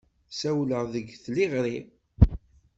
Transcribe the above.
Ssawleɣ deg tliɣri.